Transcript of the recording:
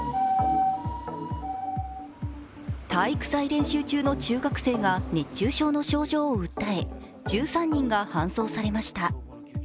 体育祭練習中の中学生が熱中症の症状を訴え１３人が搬送されました。